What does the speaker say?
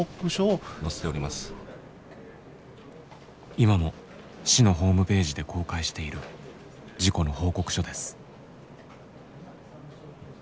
今も市のホームページで公開している事故の報告書です。